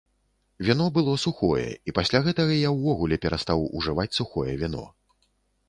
Віно было сухое, і пасля гэтага я ўвогуле перастаў ужываць сухое віно.